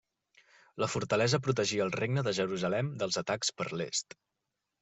La fortalesa protegia al Regne de Jerusalem dels atacs per l'est.